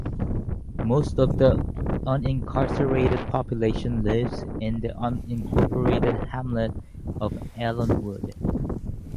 Most of the unincarcerated population lives in the unincorporated hamlet of Allenwood.